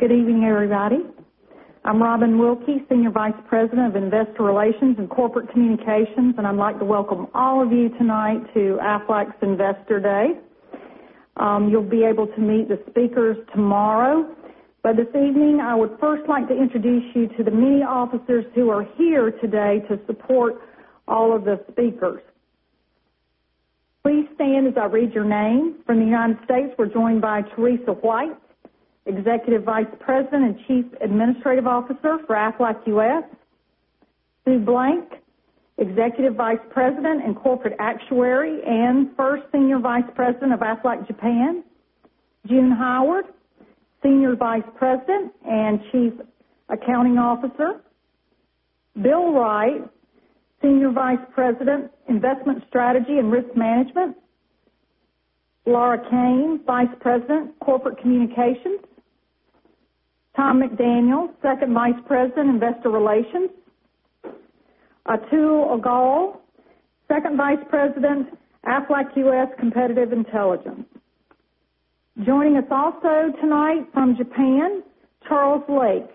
Good evening, everybody. I'm Robin Wilkey, Senior Vice President of Investor Relations and Corporate Communications, I'd like to welcome all of you tonight to Aflac's Investor Day. You'll be able to meet the speakers tomorrow, this evening, I would first like to introduce you to the many officers who are here today to support all of the speakers. Please stand as I read your name. From the United States, we're joined by Teresa White, Executive Vice President and Chief Administrative Officer for Aflac U.S. Sue Blank, Executive Vice President and Corporate Actuary, and first Senior Vice President of Aflac Japan. June Howard, Senior Vice President and Chief Accounting Officer. Bill Wright, Senior Vice President, Investment Strategy and Risk Management. Laura Cain, Vice President, Corporate Communications. Tom McDaniel, Second Vice President, Investor Relations. Atul Agrawal, Second Vice President, Aflac U.S. Competitive Intelligence. Joining us also tonight from Japan, Charles Lake,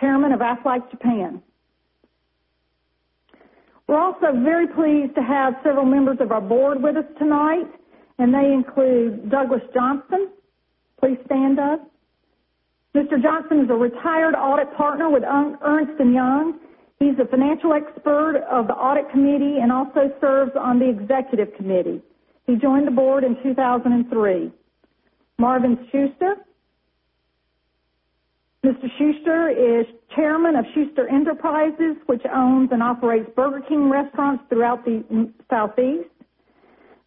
Chairman of Aflac Japan. We're also very pleased to have several members of our board with us tonight, they include Douglas Johnston. Please stand up. Mr. Johnston is a retired audit partner with Ernst & Young. He's a financial expert of the audit committee and also serves on the executive committee. He joined the board in 2003. Marvin Schuster. Mr. Schuster is chairman of Schuster Enterprises, Inc., which owns and operates Burger King restaurants throughout the Southeast.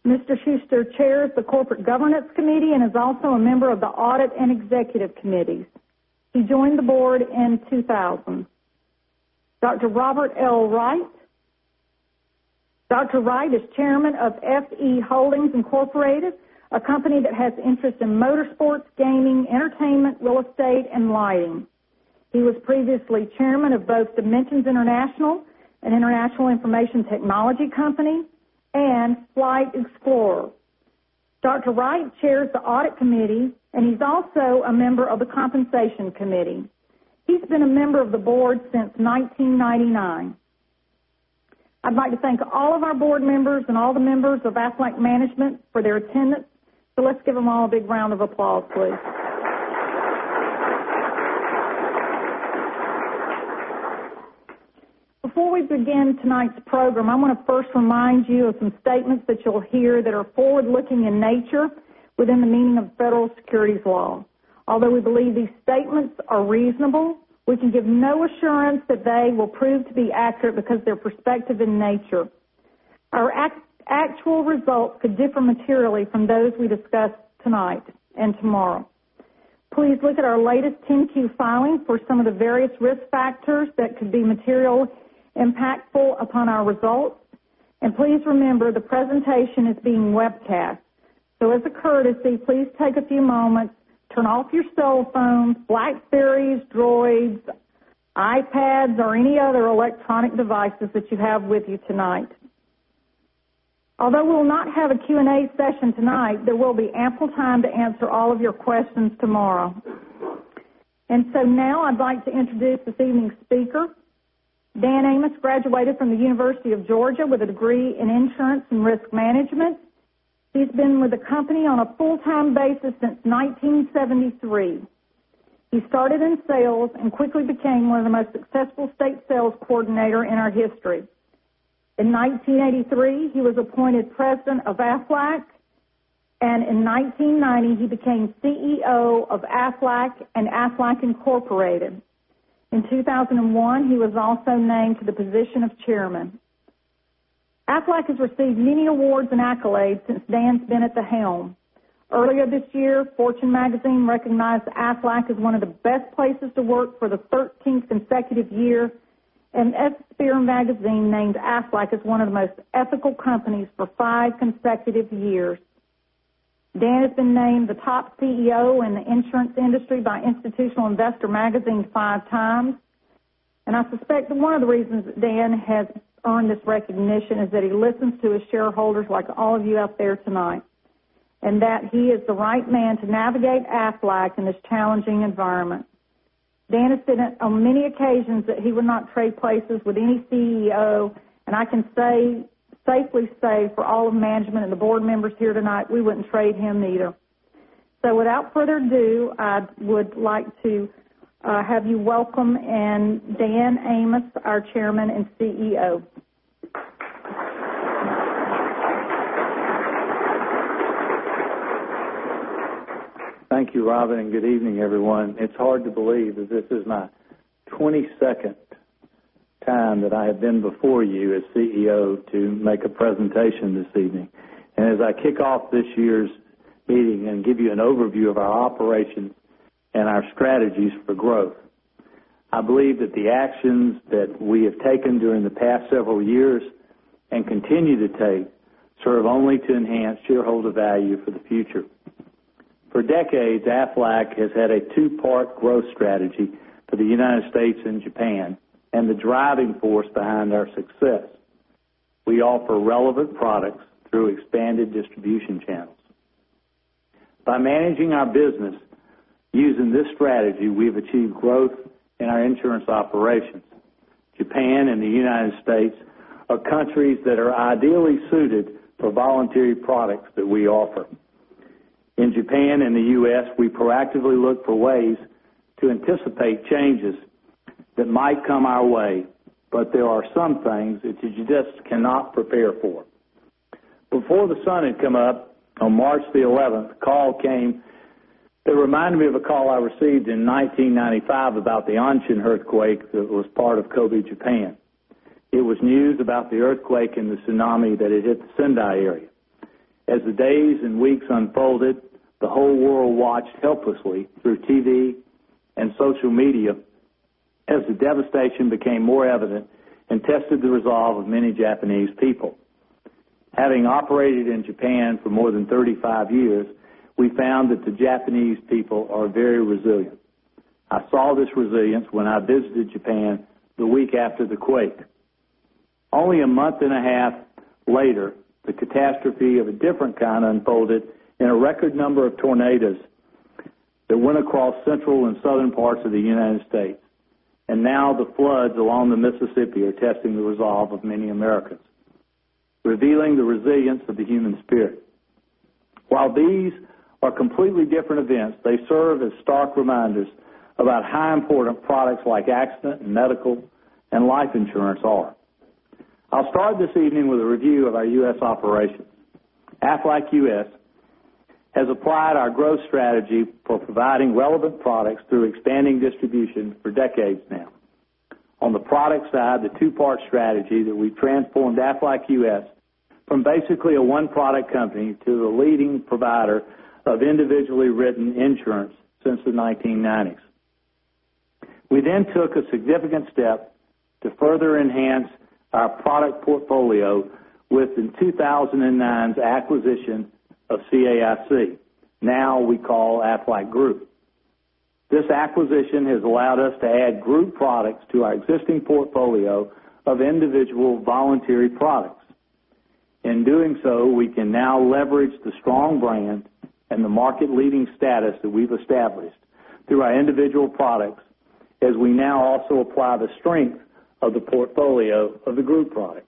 Mr. Shuster chairs the corporate governance committee and is also a member of the audit and executive committees. He joined the board in 2000. Dr. Robert L. Wright. Dr. Wright is chairman of FE Holdings, Inc., a company that has interest in motorsports, gaming, entertainment, real estate, and lighting. He was previously chairman of both Dimensions International, an international information technology company, and Flight Explorer. Dr. Wright chairs the audit committee, he's also a member of the compensation committee. He's been a member of the board since 1999. I'd like to thank all of our board members and all the members of Aflac management for their attendance. Let's give them all a big round of applause, please. Before we begin tonight's program, I want to first remind you of some statements that you'll hear that are forward-looking in nature within the meaning of federal securities law. Although we believe these statements are reasonable, we can give no assurance that they will prove to be accurate because they're prospective in nature. Our actual results could differ materially from those we discuss tonight and tomorrow. Please look at our latest 10-Q filing for some of the various risk factors that could be materially impactful upon our results. Please remember, the presentation is being webcast. As a courtesy, please take a few moments, turn off your cell phones, BlackBerrys, Droids, iPads, or any other electronic devices that you have with you tonight. Although we will not have a Q&A session tonight, there will be ample time to answer all of your questions tomorrow. Now I'd like to introduce this evening's speaker. Dan Amos graduated from the University of Georgia with a degree in insurance and risk management. He's been with the company on a full-time basis since 1973. He started in sales and quickly became one of the most successful state sales coordinator in our history. In 1983, he was appointed president of Aflac, in 1990, he became CEO of Aflac and Aflac Incorporated. In 2001, he was also named to the position of chairman. Aflac has received many awards and accolades since Dan's been at the helm. Earlier this year, Fortune magazine recognized Aflac as one of the best places to work for the 13th consecutive year, Ethisphere magazine named Aflac as one of the most ethical companies for five consecutive years. Dan has been named the top CEO in the insurance industry by Institutional Investor magazine five times. I suspect that one of the reasons that Dan has earned this recognition is that he listens to his shareholders like all of you out there tonight, and that he is the right man to navigate Aflac in this challenging environment. Dan has said on many occasions that he would not trade places with any CEO, and I can safely say for all of management and the board members here tonight, we wouldn't trade him either. Without further ado, I would like to have you welcome in Dan Amos, our Chairman and CEO. Thank you, Robin, and good evening, everyone. It's hard to believe that this is my 22nd time that I have been before you as CEO to make a presentation this evening. As I kick off this year's meeting and give you an overview of our operations and our strategies for growth, I believe that the actions that we have taken during the past several years and continue to take serve only to enhance shareholder value for the future. For decades, Aflac has had a two-part growth strategy for the United States and Japan and the driving force behind our success. We offer relevant products through expanded distribution channels. By managing our business using this strategy, we've achieved growth in our insurance operations. Japan and the United States are countries that are ideally suited for voluntary products that we offer. In Japan and the U.S., we proactively look for ways to anticipate changes that might come our way, but there are some things that you just cannot prepare for. Before the sun had come up on March the 11th, a call came that reminded me of a call I received in 1995 about the Great Hanshin earthquake that was part of Kobe, Japan. It was news about the earthquake and the tsunami that had hit the Sendai area. As the days and weeks unfolded, the whole world watched helplessly through TV and social media as the devastation became more evident and tested the resolve of many Japanese people. Having operated in Japan for more than 35 years, we found that the Japanese people are very resilient. I saw this resilience when I visited Japan the week after the quake. Only a month and a half later, the catastrophe of a different kind unfolded in a record number of tornadoes that went across central and southern parts of the United States, and now the floods along the Mississippi are testing the resolve of many Americans, revealing the resilience of the human spirit. While these are completely different events, they serve as stark reminders about how important products like accident, and medical, and life insurance are. I'll start this evening with a review of our U.S. operations. Aflac U.S. has applied our growth strategy for providing relevant products through expanding distribution for decades now. On the product side, the two-part strategy that we transformed Aflac U.S. from basically a one-product company to the leading provider of individually written insurance since the 1990s. We took a significant step to further enhance our product portfolio with the 2009 acquisition of CAIC, now we call Aflac Group. This acquisition has allowed us to add group products to our existing portfolio of individual voluntary products. In doing so, we can now leverage the strong brand and the market-leading status that we've established through our individual products as we now also apply the strength of the portfolio of the group products.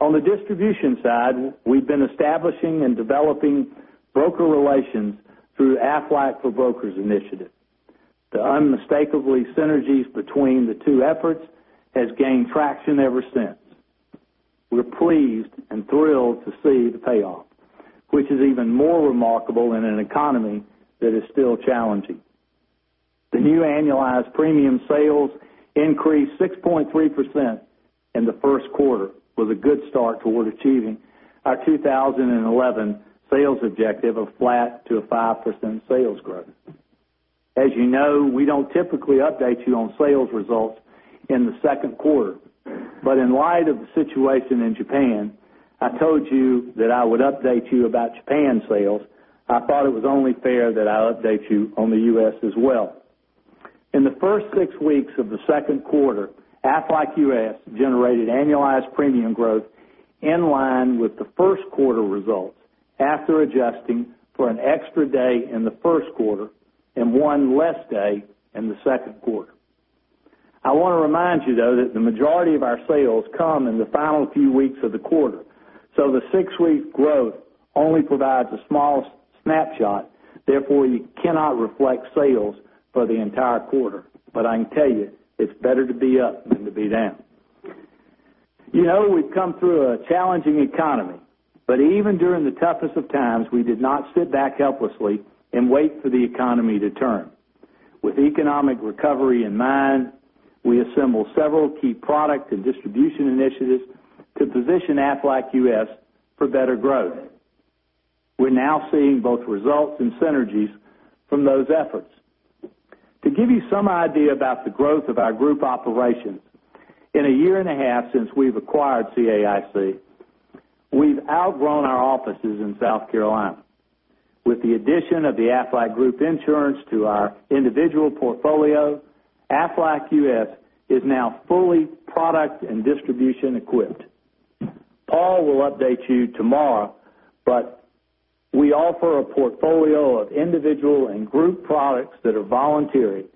On the distribution side, we've been establishing and developing broker relations through the Aflac for Brokers initiative. The unmistakable synergies between the two efforts has gained traction ever since. We're pleased and thrilled to see the payoff, which is even more remarkable in an economy that is still challenging. The new annualized premium sales increased 6.3% in the first quarter with a good start toward achieving our 2011 sales objective of flat to a 5% sales growth. As you know, we don't typically update you on sales results in the second quarter, but in light of the situation in Japan, I told you that I would update you about Japan sales. I thought it was only fair that I update you on the U.S. as well. In the first six weeks of the second quarter, Aflac U.S. generated annualized premium growth in line with the first quarter results after adjusting for an extra day in the first quarter and one less day in the second quarter. I want to remind you, though, that the majority of our sales come in the final few weeks of the quarter. The six-week growth only provides a small snapshot, therefore, you cannot reflect sales for the entire quarter. I can tell you, it's better to be up than to be down. You know, we've come through a challenging economy, but even during the toughest of times, we did not sit back helplessly and wait for the economy to turn. With economic recovery in mind, we assembled several key product and distribution initiatives to position Aflac U.S. for better growth. We're now seeing both results and synergies from those efforts. To give you some idea about the growth of our group operations, in a year and a half since we've acquired CAIC, we've outgrown our offices in South Carolina. With the addition of the Aflac Group Insurance to our individual portfolio, Aflac U.S. is now fully product and distribution equipped. Paul will update you tomorrow, we offer a portfolio of individual and group products that are voluntary,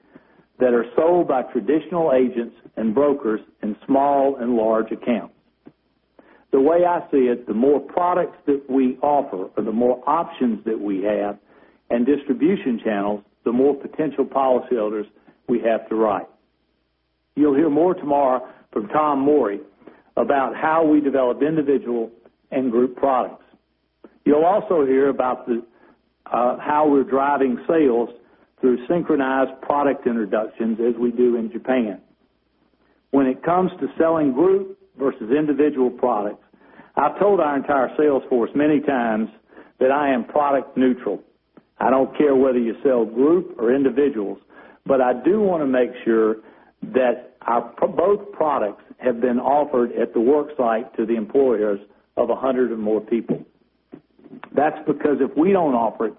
that are sold by traditional agents and brokers in small and large accounts. The way I see it, the more products that we offer or the more options that we have and distribution channels, the more potential policyholders we have to write. You'll hear more tomorrow from Tom Mori about how we develop individual and group products. You'll also hear about how we're driving sales through synchronized product introductions as we do in Japan. When it comes to selling group versus individual products, I've told our entire sales force many times that I am product neutral. I don't care whether you sell group or individuals, but I do want to make sure that both products have been offered at the work site to the employers of 100 or more people. That's because if we don't offer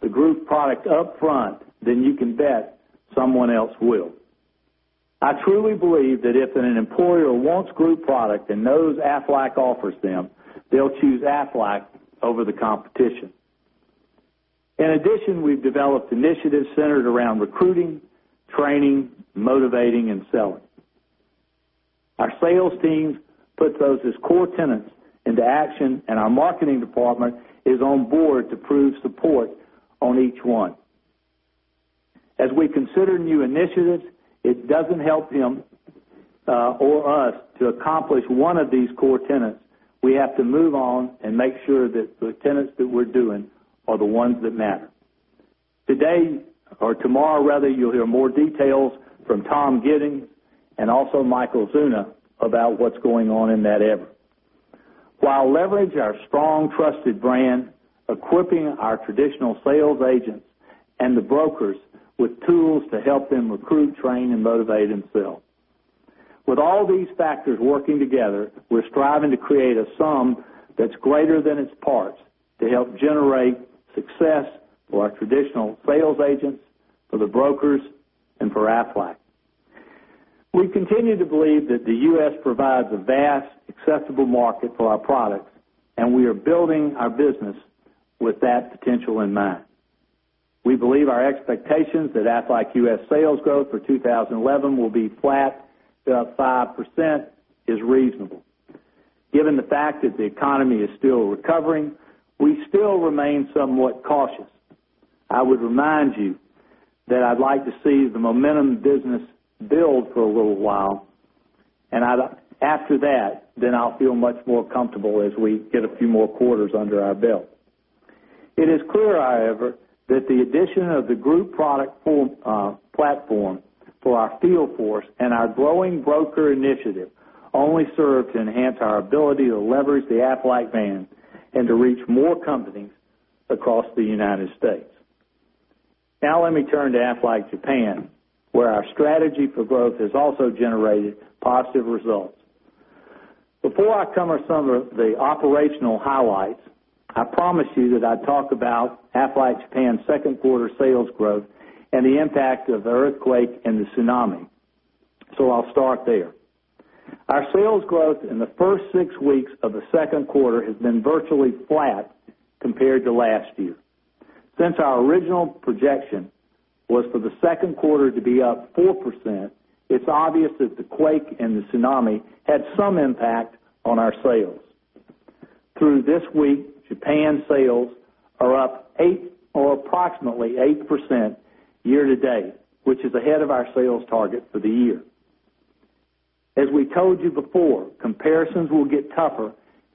the group product upfront, then you can bet someone else will. I truly believe that if an employer wants group product and knows Aflac offers them, they'll choose Aflac over the competition. In addition, we've developed initiatives centered around recruiting, training, motivating, and selling. Our sales teams put those as core tenets into action, and our marketing department is on board to prove support on each one. As we consider new initiatives, it doesn't help him or us to accomplish one of these core tenets. We have to move on and make sure that the tenets that we're doing are the ones that matter. Today, or tomorrow rather, you'll hear more details from Tom Giddens and also Michael Zuna about what's going on in that effort. While leveraging our strong, trusted brand, equipping our traditional sales agents and the brokers with tools to help them recruit, train, and motivate, and sell. With all these factors working together, we're striving to create a sum that's greater than its parts to help generate success for our traditional sales agents, for the brokers, and for Aflac. We continue to believe that the U.S. provides a vast, accessible market for our products, and we are building our business with that potential in mind. We believe our expectations that Aflac U.S. sales growth for 2011 will be flat to up 5% is reasonable. Given the fact that the economy is still recovering, we still remain somewhat cautious. I would remind you that I'd like to see the momentum business build for a little while, and after that, then I'll feel much more comfortable as we get a few more quarters under our belt. It is clear, however, that the addition of the group product platform for our field force and our growing broker initiative only serve to enhance our ability to leverage the Aflac brand and to reach more companies across the United States. Now let me turn to Aflac Japan, where our strategy for growth has also generated positive results. Before I cover some of the operational highlights, I promised you that I'd talk about Aflac Japan's second quarter sales growth and the impact of the earthquake and the tsunami. I'll start there. Our sales growth in the first six weeks of the second quarter has been virtually flat compared to last year. Since our original projection was for the second quarter to be up 4%, it's obvious that the quake and the tsunami had some impact on our sales. Through this week, Japan sales are up approximately 8% year to date, which is ahead of our sales target for the year. As we told you before, comparisons will get tougher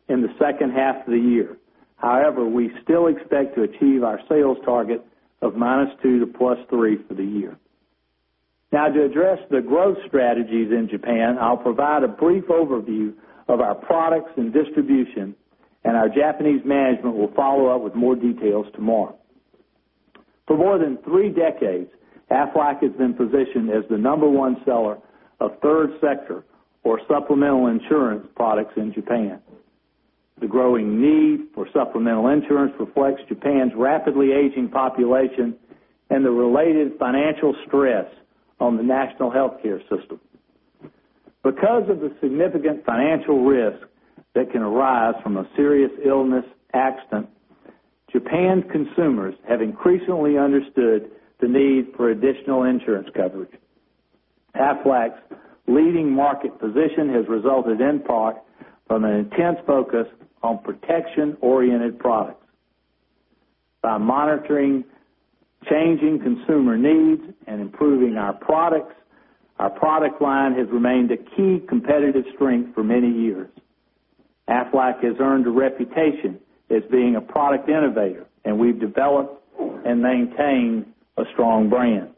in the second half of the year. However, we still expect to achieve our sales target of -2% to +3% for the year. Now to address the growth strategies in Japan, I'll provide a brief overview of our products and distribution, and our Japanese management will follow up with more details tomorrow. For more than three decades, Aflac has been positioned as the number one seller of third sector or supplemental insurance products in Japan. The growing need for supplemental insurance reflects Japan's rapidly aging population and the related financial stress on the national healthcare system. Because of the significant financial risk that can arise from a serious illness, accident, Japan's consumers have increasingly understood the need for additional insurance coverage. Aflac's leading market position has resulted in part from an intense focus on protection-oriented products. By monitoring changing consumer needs and improving our products, our product line has remained a key competitive strength for many years. Aflac has earned a reputation as being a product innovator, and we've developed and maintained a strong brand.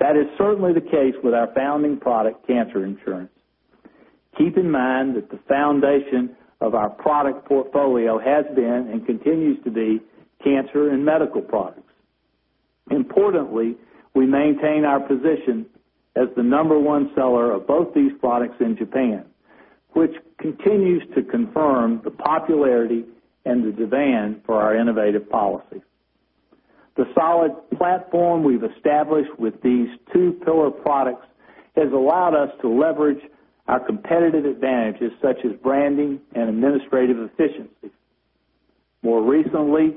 That is certainly the case with our founding product, cancer insurance. Keep in mind that the foundation of our product portfolio has been and continues to be cancer and medical products. Importantly, we maintain our position as the number one seller of both these products in Japan, which continues to confirm the popularity and the demand for our innovative policies. The solid platform we've established with these two pillar products has allowed us to leverage our competitive advantages such as branding and administrative efficiency. More recently,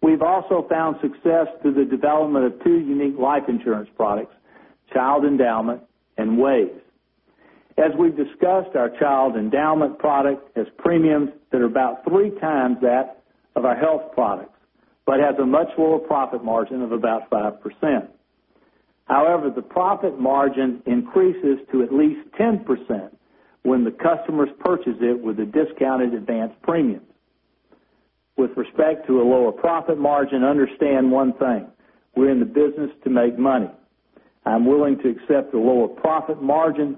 we've also found success through the development of two unique life insurance products, child endowment and WAYS. As we've discussed, our child endowment product has premiums that are about three times that of our health products but has a much lower profit margin of about 5%. However, the profit margin increases to at least 10% when the customers purchase it with a discounted advance premium. With respect to a lower profit margin, understand one thing, we're in the business to make money. I'm willing to accept a lower profit margin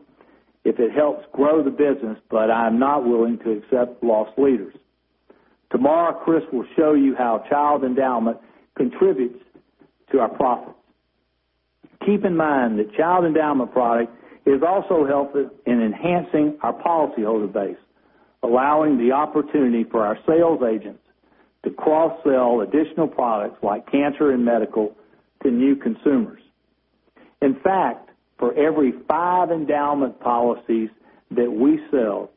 if it helps grow the business. I'm not willing to accept loss leaders. Tomorrow, Chris will show you how child endowment contributes to our profit. Keep in mind that child endowment product has also helped us in enhancing our policyholder base, allowing the opportunity for our sales agents to cross-sell additional products like cancer and medical to new consumers. In fact, for every five endowment policies that we sell,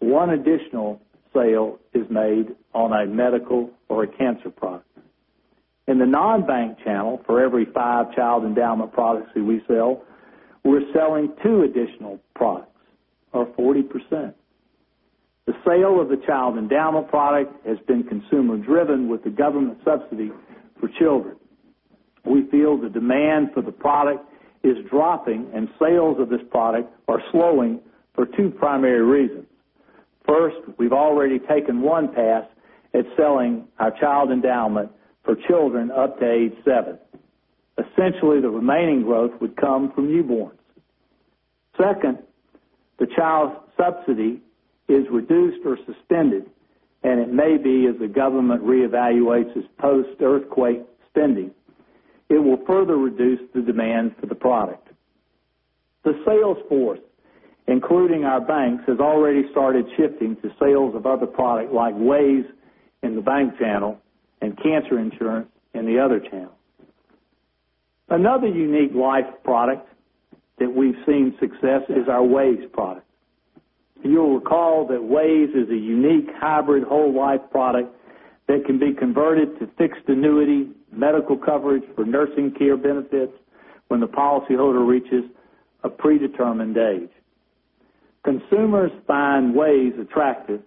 one additional sale is made on a medical or a cancer product. In the non-bank channel, for every five child endowment products that we sell, we're selling two additional products, or 40%. The sale of the child endowment product has been consumer driven with the government subsidy for children. We feel the demand for the product is dropping and sales of this product are slowing for two primary reasons. First, we've already taken one pass at selling our child endowment for children up to age seven. Essentially, the remaining growth would come from newborns. Second, the child subsidy is reduced or suspended, and it may be as the government reevaluates its post-earthquake spending, it will further reduce the demand for the product. The sales force, including our banks, has already started shifting to sales of other product like WAYS in the bank channel and cancer insurance in the other channel. Another unique life product that we've seen success is our WAYS product. You'll recall that WAYS is a unique hybrid whole life product that can be converted to fixed annuity, medical coverage for nursing care benefits when the policyholder reaches a predetermined age. Consumers find WAYS attractive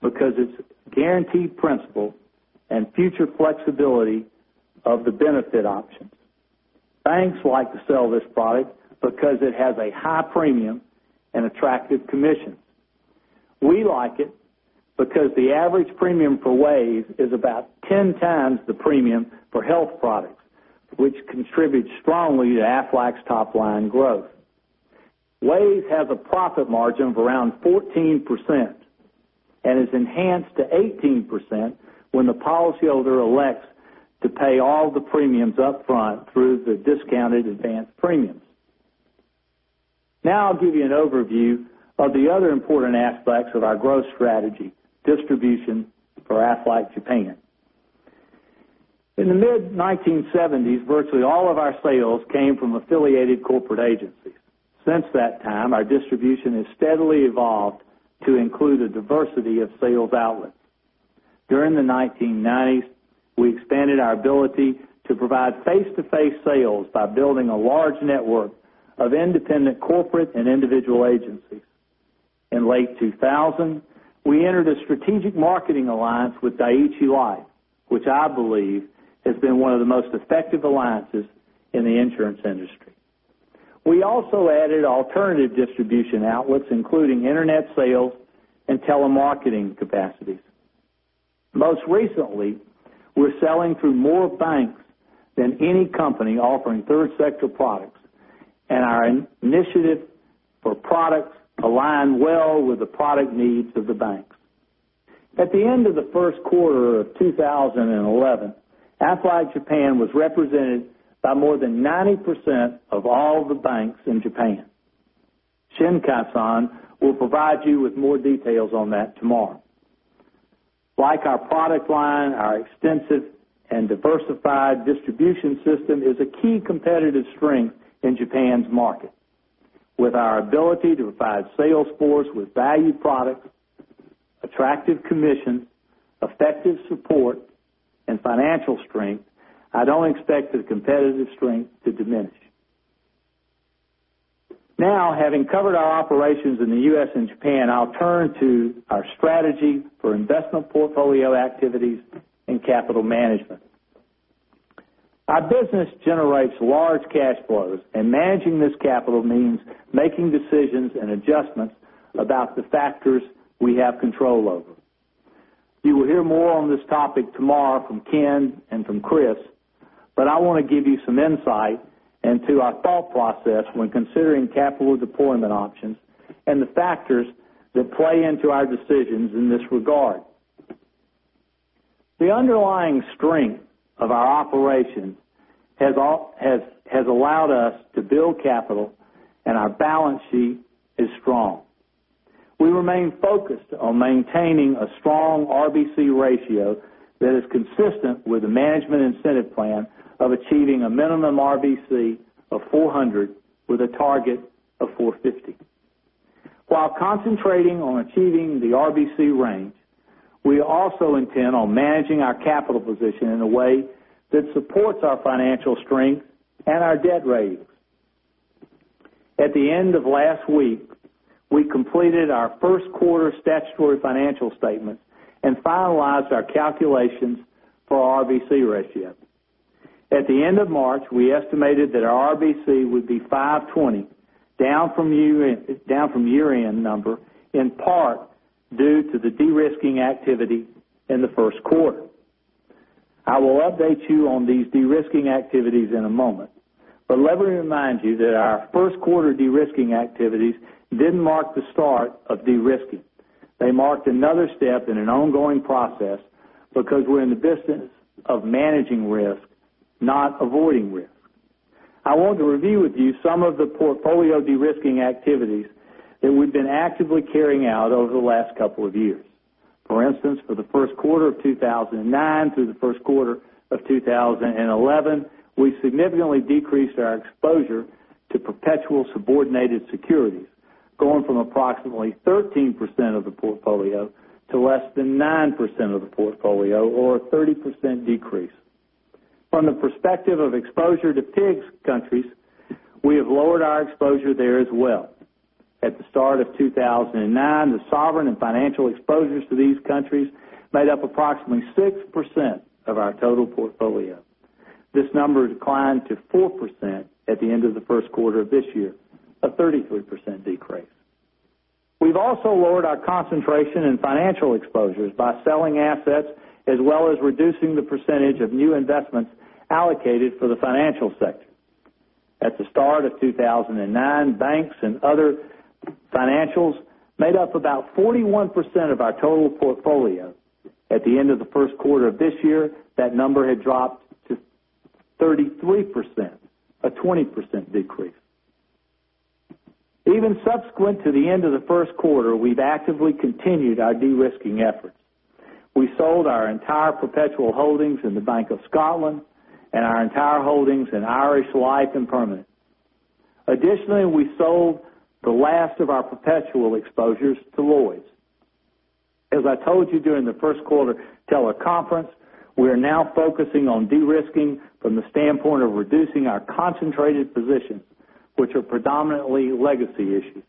because it's guaranteed principal and future flexibility of the benefit options. Banks like to sell this product because it has a high premium and attractive commissions. We like it because the average premium for WAYS is about 10 times the premium for health products, which contributes strongly to Aflac's top-line growth. WAYS has a profit margin of around 14% and is enhanced to 18% when the policyholder elects to pay all the premiums up front through the discounted advance premium. I'll give you an overview of the other important aspects of our growth strategy, distribution for Aflac Japan. In the mid-1970s, virtually all of our sales came from affiliated corporate agencies. Since that time, our distribution has steadily evolved to include a diversity of sales outlets. During the 1990s, we expanded our ability to provide face-to-face sales by building a large network of independent corporate and individual agencies. In late 2000, we entered a strategic marketing alliance with Dai-ichi Life, which I believe has been one of the most effective alliances in the insurance industry. We also added alternative distribution outlets, including internet sales and telemarketing capacities. Most recently, we're selling through more banks than any company offering third sector products, and our initiative for products align well with the product needs of the banks. At the end of the first quarter of 2011, Aflac Japan was represented by more than 90% of all the banks in Japan. Shin Katsunobu will provide you with more details on that tomorrow. Like our product line, our extensive and diversified distribution system is a key competitive strength in Japan's market. With our ability to provide sales force with valued products, attractive commissions, effective support, and financial strength, I don't expect the competitive strength to diminish. Having covered our operations in the U.S. and Japan, I'll turn to our strategy for investment portfolio activities and capital management. Our business generates large cash flows, and managing this capital means making decisions and adjustments about the factors we have control over. You will hear more on this topic tomorrow from Ken and from Chris, but I want to give you some insight into our thought process when considering capital deployment options and the factors that play into our decisions in this regard. The underlying strength of our operations has allowed us to build capital, and our balance sheet is strong. We remain focused on maintaining a strong RBC ratio that is consistent with the management incentive plan of achieving a minimum RBC of 400 with a target of 450. While concentrating on achieving the RBC range, we also intend on managing our capital position in a way that supports our financial strength and our debt ratings. At the end of last week, we completed our first quarter statutory financial statement and finalized our calculations for our RBC ratio. At the end of March, we estimated that our RBC would be 520, down from year-end number in part due to the de-risking activity in the first quarter. I will update you on these de-risking activities in a moment, but let me remind you that our first quarter de-risking activities didn't mark the start of de-risking. They marked another step in an ongoing process because we're in the business of managing risk, not avoiding risk. I want to review with you some of the portfolio de-risking activities that we've been actively carrying out over the last couple of years. For instance, for the first quarter of 2009 through the first quarter of 2011, we significantly decreased our exposure to perpetual subordinated securities, going from approximately 13% of the portfolio to less than 9% of the portfolio, or a 30% decrease. From the perspective of exposure to PIIGS countries, we have lowered our exposure there as well. At the start of 2009, the sovereign and financial exposures to these countries made up approximately 6% of our total portfolio. This number declined to 4% at the end of the first quarter of this year, a 33% decrease. We've also lowered our concentration in financial exposures by selling assets as well as reducing the percentage of new investments allocated for the financial sector. At the start of 2009, banks and other financials made up about 41% of our total portfolio. At the end of the first quarter of this year, that number had dropped to 33%, a 20% decrease. Even subsequent to the end of the first quarter, we've actively continued our de-risking efforts. We sold our entire perpetual holdings in the Bank of Scotland and our entire holdings in Irish Life & Permanent. Additionally, we sold the last of our perpetual exposures to Lloyds. As I told you during the first quarter teleconference, we are now focusing on de-risking from the standpoint of reducing our concentrated positions, which are predominantly legacy issues.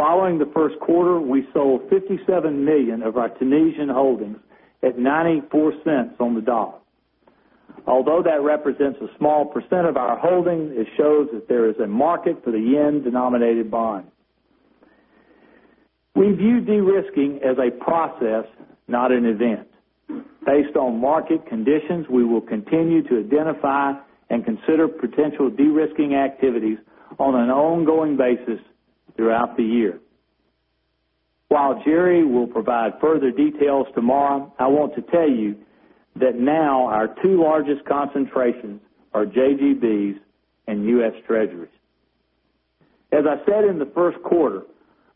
Following the first quarter, we sold $57 million of our Tunisian holdings at $0.94 on the dollar. Although that represents a small % of our holdings, it shows that there is a market for the yen-denominated bond. We view de-risking as a process, not an event. Based on market conditions, we will continue to identify and consider potential de-risking activities on an ongoing basis throughout the year. While Jerry will provide further details tomorrow, I want to tell you that now our two largest concentrations are JGBs and US Treasuries. As I said in the first quarter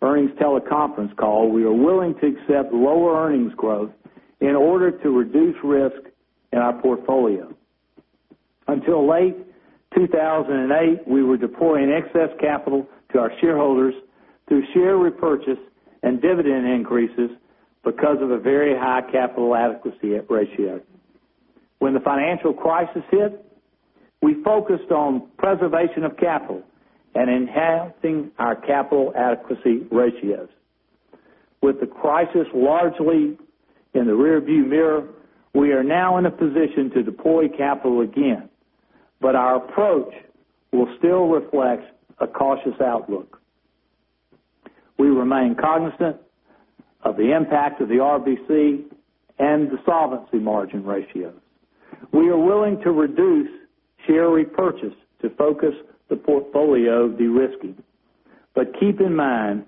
earnings teleconference call, we are willing to accept lower earnings growth in order to reduce risk in our portfolio. Until late 2008, we were deploying excess capital to our shareholders through share repurchase and dividend increases because of a very high capital adequacy ratio. When the financial crisis hit, we focused on preservation of capital and enhancing our capital adequacy ratios. With the crisis largely in the rear-view mirror, we are now in a position to deploy capital again. Our approach will still reflect a cautious outlook. We remain cognizant of the impact of the RBC and the solvency margin ratio. We are willing to reduce share repurchase to focus the portfolio de-risking. Keep in mind,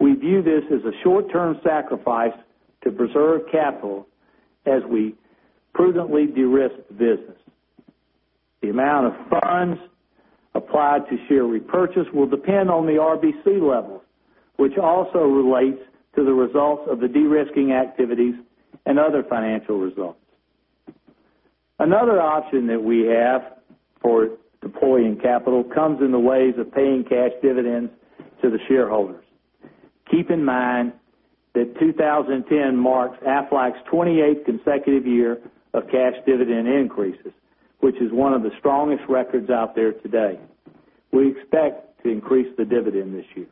we view this as a short-term sacrifice to preserve capital as we prudently de-risk the business. The amount of funds applied to share repurchase will depend on the RBC level, which also relates to the results of the de-risking activities and other financial results. Another option that we have for deploying capital comes in the ways of paying cash dividends to the shareholders. Keep in mind that 2010 marks Aflac's 28th consecutive year of cash dividend increases, which is one of the strongest records out there today. We expect to increase the dividend this year.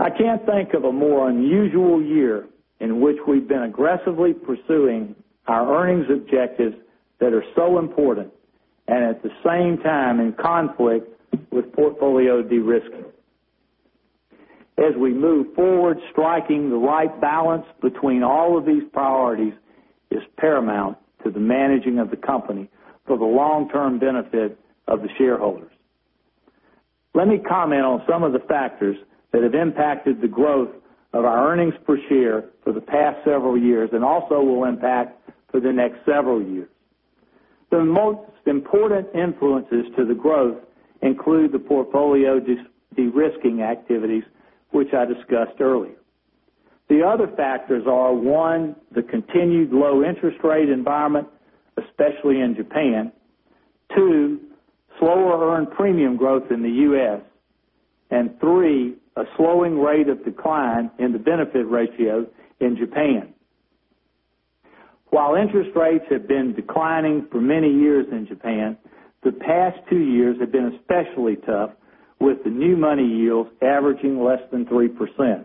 I can't think of a more unusual year in which we've been aggressively pursuing our earnings objectives that are so important and at the same time in conflict with portfolio de-risking. As we move forward, striking the right balance between all of these priorities is paramount to the managing of the company for the long-term benefit of the shareholders. Let me comment on some of the factors that have impacted the growth of our earnings per share for the past several years and also will impact for the next several years. The most important influences to the growth include the portfolio de-risking activities, which I discussed earlier. The other factors are, one, the continued low interest rate environment, especially in Japan, two, slower earned premium growth in the U.S., and three, a slowing rate of decline in the benefit ratios in Japan. While interest rates have been declining for many years in Japan, the past two years have been especially tough with the new money yields averaging less than 3%.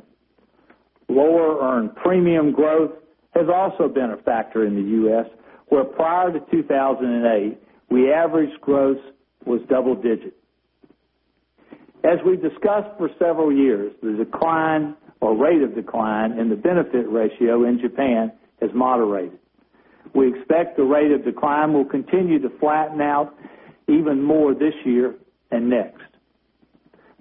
Lower earned premium growth has also been a factor in the U.S., where prior to 2008, we averaged growth was double digits. As we've discussed for several years, the decline or rate of decline in the benefit ratio in Japan has moderated. We expect the rate of decline will continue to flatten out even more this year and next.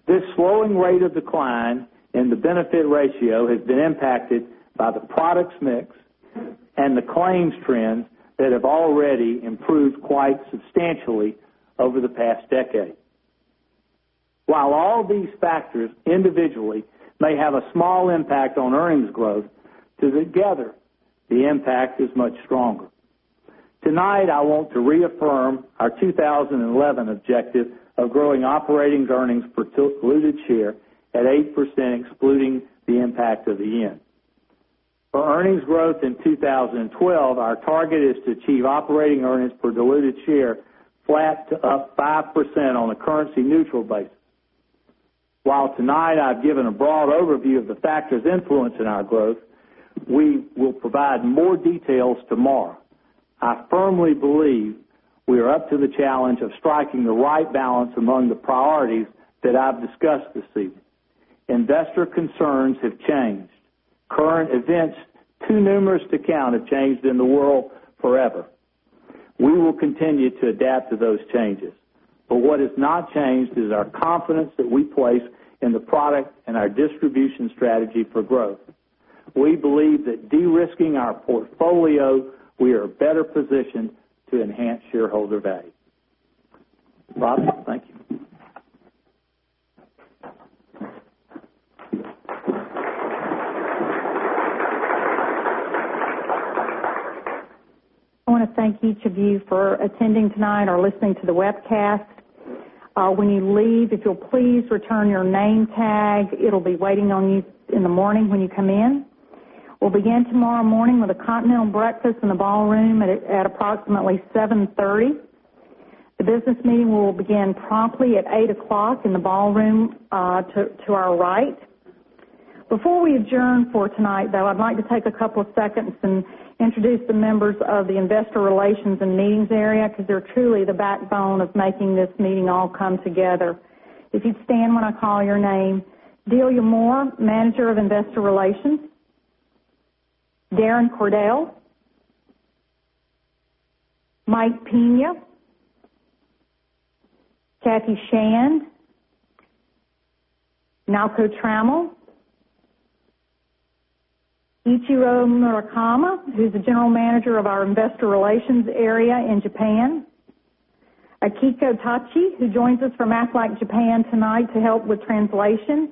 This slowing rate of decline in the benefit ratio has been impacted by the products mix and the claims trends that have already improved quite substantially over the past decade. While all these factors individually may have a small impact on earnings growth, together, the impact is much stronger. Tonight, I want to reaffirm our 2011 objective of growing operating earnings per diluted share at 8%, excluding the impact of the yen. For earnings growth in 2012, our target is to achieve operating earnings per diluted share flat to up 5% on a currency-neutral basis. While tonight I've given a broad overview of the factors influencing our growth, we will provide more details tomorrow. I firmly believe we are up to the challenge of striking the right balance among the priorities that I've discussed this evening. Investor concerns have changed. Current events too numerous to count have changed in the world forever. We will continue to adapt to those changes. What has not changed is our confidence that we place in the product and our distribution strategy for growth. We believe that de-risking our portfolio, we are better positioned to enhance shareholder value. Robin, thank you. I want to thank each of you for attending tonight or listening to the webcast. When you leave, if you'll please return your name tag, it'll be waiting on you in the morning when you come in. We'll begin tomorrow morning with a continental breakfast in the ballroom at approximately 7:30 A.M. The business meeting will begin promptly at 8:00 A.M. in the ballroom to our right. Before we adjourn for tonight, though, I'd like to take a couple of seconds and introduce the members of the investor relations and meetings area because they're truly the backbone of making this meeting all come together. If you'd stand when I call your name. Delia Moore, Manager of Investor Relations. Darren Cordell. Mike Penn. Cathy Shand. Malcolm Trammell. Ichiro Murakami, who's the General Manager of our investor relations area in Japan. Akiko Tachi, who joins us from Aflac Japan tonight to help with translation.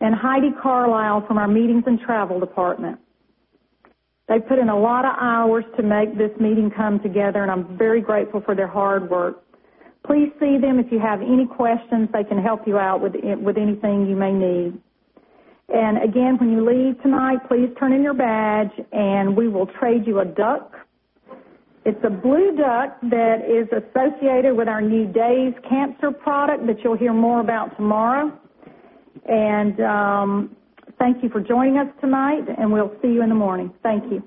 Heidi Carlisle from our meetings and travel department. They put in a lot of hours to make this meeting come together, and I'm very grateful for their hard work. Please see them if you have any questions. They can help you out with anything you may need. Again, when you leave tonight, please turn in your badge, and we will trade you a duck. It's a blue duck that is associated with our New Cancer DAYS product that you'll hear more about tomorrow. Thank you for joining us tonight, and we'll see you in the morning. Thank you